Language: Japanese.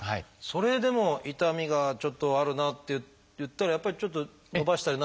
それでも痛みがちょっとあるなといったらやっぱりちょっと伸ばしたり。